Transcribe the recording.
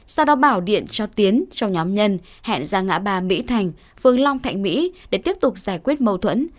sau đó bảo điện cho tiến cho nhóm nhân hẹn ra ngã ba mỹ thành phương long thạnh mỹ để tiếp tục giải quyết mâu thuẫn